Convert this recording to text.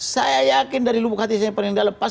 saya yakin dari lubuk hati saya pernah nggak lepas